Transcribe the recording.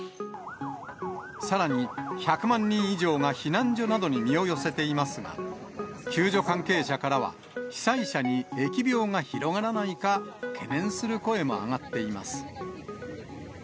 さらに１００万人以上が避難所などに身を寄せていますが、救助関係者からは、被災者に疫病が広がらないか、懸念する声も上がっています。